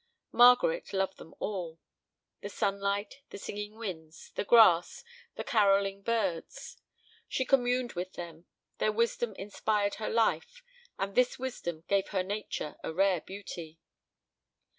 Margaret loved them all, the sunlight, the singing winds, the grass, the carolling birds. She communed with them; their wisdom inspired her life, and this wisdom gave her nature a rare beauty.